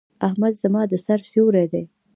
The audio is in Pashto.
احمد زما د سر سيور دی.